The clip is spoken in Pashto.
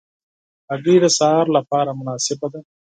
هګۍ د سهار له پاره مناسبه ده.